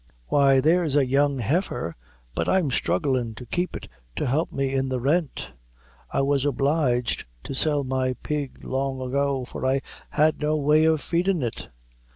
"Why, there's a young heifer; but I'm strugglin' to keep it to help me in the rent. I was obliged to sell my pig long ago, for I had no way of feedin' it."